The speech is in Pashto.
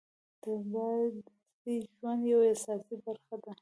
طیاره د عصري ژوند یوه اساسي برخه ده.